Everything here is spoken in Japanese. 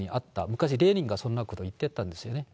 昔、レーニンがそんなことを言ってたんですよね。